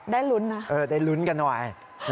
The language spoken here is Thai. ได้ลุ้นนะได้ลุ้นกันหน่อย